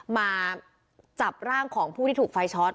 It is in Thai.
มาจับร่างของผู้ที่ถูกไฟช็อต